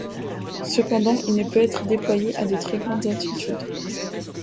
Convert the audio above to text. Cependant, il ne peut être déployé à de très grandes altitudes.